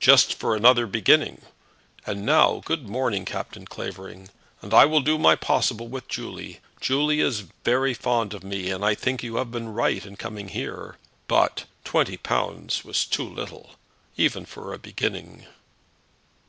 "Just for another beginning! And now, good morning, Captain Clavering. I will do my possible with Julie. Julie is very fond of me, and I think you have been right in coming here. But twenty pounds was too little, even for a beginning."